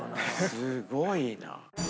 すごいな。